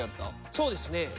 そうですね。